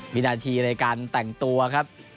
วินาทีในการแต่งตัวครับ